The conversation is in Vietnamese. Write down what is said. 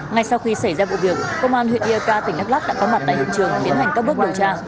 ngay sau khi xảy ra vụ việc công an huyện ia ca tỉnh đắk lắk đã có mặt tại hiện trường biến hành các bước điều tra